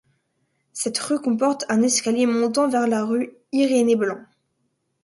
Cette rue comporte un escalier montant vers la rue Irénée-Blanc.